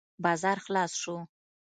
بازار خلاص شو.